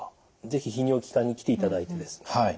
是非泌尿器科に来ていただいてですね